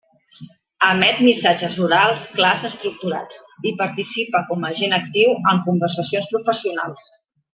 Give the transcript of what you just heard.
Emet missatges orals clars estructurats, i participa com a agent actiu en conversacions professionals.